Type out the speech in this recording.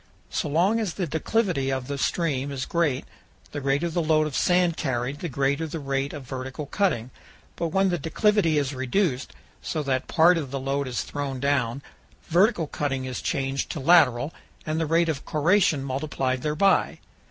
So long as the declivity of the stream is great, the greater the load of sand carried the greater the rate of vertical cutting; but when the declivity is reduced, so that part of the load is thrown down, vertical cutting is changed to lateral and the rate of corrosion multiplied thereby.